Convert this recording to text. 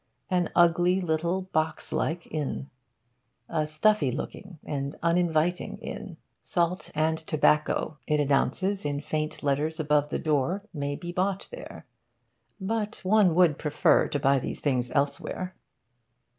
An ugly little box like inn. A stuffy looking and uninviting inn. Salt and tobacco, it announces in faint letters above the door, may be bought there. But one would prefer to buy these things elsewhere.